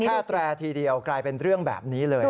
แค่แตรทีเดียวกลายเป็นเรื่องแบบนี้เลยนะครับ